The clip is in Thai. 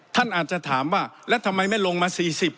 ท่านอาจจะถามว่าแล้วทำไมไม่ลงมา๔๐